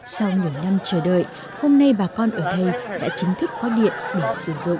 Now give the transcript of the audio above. sau nhiều năm chờ đợi hôm nay bà con ở đây đã chính thức có điện để sử dụng